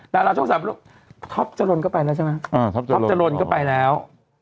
ดาราช่องสามท็อปจรนก็ไปแล้วใช่ไหมท็อปจรนก็ไปแล้ว